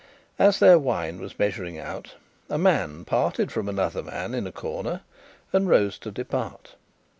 As their wine was measuring out, a man parted from another man in a corner, and rose to depart.